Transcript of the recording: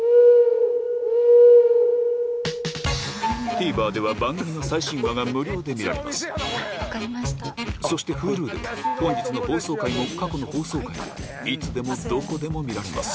ＴＶｅｒでは番組の最新話が無料で見られますそしてＨｕｌｕでは本日の放送回も過去の放送回もいつでもどこでも見られます